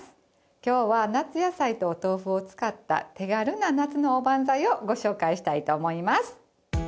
今日は夏野菜とお豆腐を使った手軽な夏のおばんざいをご紹介したいと思います。